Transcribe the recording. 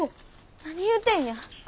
何言うてんや。